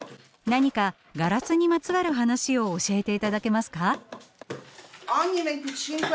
何かガラスにまつわる話を教えて頂けますか。